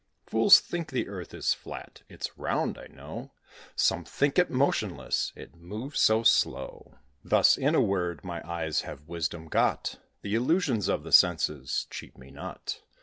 Fools think the earth is flat; it's round, I know; Some think it motionless, it moves so slow. Thus, in a word, my eyes have wisdom got, The illusions of the senses cheat me not.